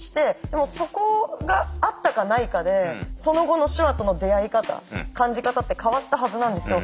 でもそこがあったかないかでその後の手話との出会い方感じ方って変わったはずなんですよ。